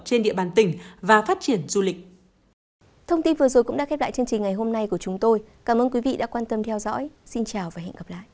trên địa bàn tỉnh và phát triển du lịch